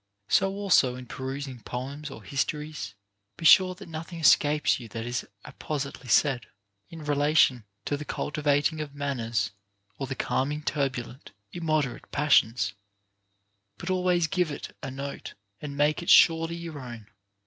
So also, in perusing poems or histories, be sure that nothing escape you that is appositely said, in relation to the cultivating of manners or the calming turbulent, im moderate passions ; but always give it a note, and make it surely your own.